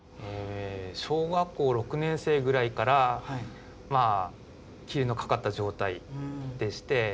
小学校６年生ぐらいからまあ霧のかかった状態でして。